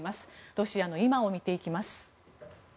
ロシアの今を見ていきます。